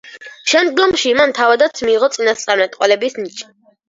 შემდგომში მან თავადაც მიიღო წინასწარმეტყველების ნიჭი.